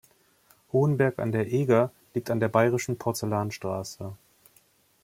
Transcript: Hohenberg an der Eger liegt an der Bayerischen Porzellanstraße.